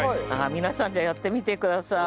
皆さんじゃあやってみてください。